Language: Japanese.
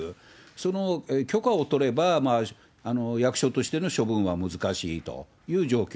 その許可を取れば、役所としての処分は難しいという状況。